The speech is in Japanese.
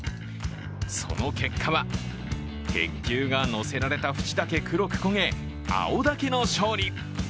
その結果は、鉄球が載せられた縁だけ黒く焦げ、青竹の勝利。